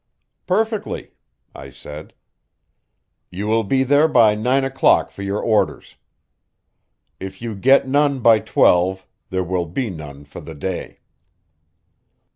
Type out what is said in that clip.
"Perfectly," I said. "You will be there by nine o'clock for your orders. If you get none by twelve, there will be none for the day."